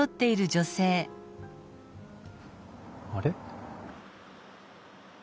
あれ？